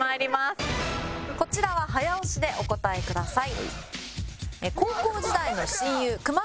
こちらは早押しでお答えください。